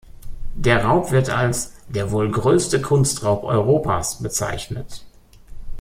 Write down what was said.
Der Raub wird als «der wohl grösste Kunstraub Europas» bezeichnet.